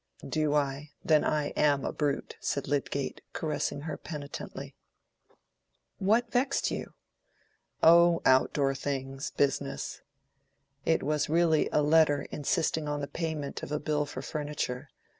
"Do I? Then I am a brute," said Lydgate, caressing her penitently. "What vexed you?" "Oh, outdoor things—business." It was really a letter insisting on the payment of a bill for furniture.